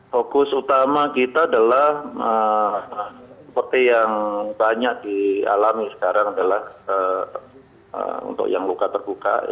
fokus utama kita adalah seperti yang banyak dialami sekarang adalah untuk yang luka terbuka